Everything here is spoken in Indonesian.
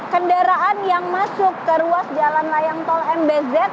kendaraan yang masuk ke ruas jalan layang tol mbz